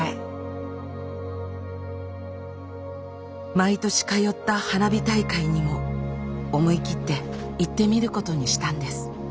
毎年通った花火大会にも思い切って行ってみることにしたんです。